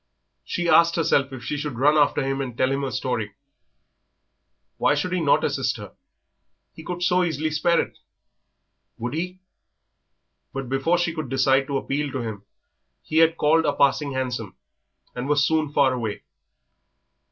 She asked herself if she should run after him and tell him her story. Why should he not assist her? He could so easily spare it. Would he? But before she could decide to appeal to him he had called a passing hansom and was soon far away.